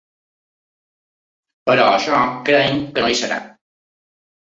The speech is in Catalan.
Però això creiem que no hi serà.